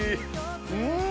うん！